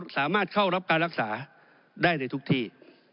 สามารถเข้ารับการรักษาได้ในทุกที่